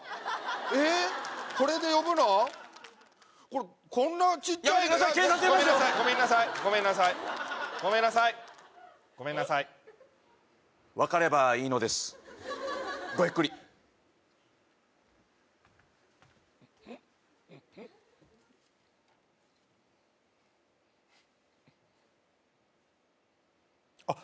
ごめんなさいごめんなさいごめんなさいごめんなさいごめんなさい分かればいいのですごゆっくりあっ